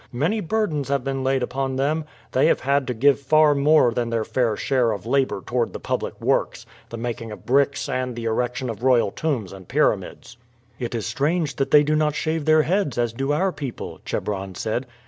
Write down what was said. Many burdens have been laid upon them. They have had to give far more than their fair share of labor toward the public works, the making of bricks, and the erection of royal tombs and pyramids." "It is strange that they do not shave their heads as do our people," Chebron said.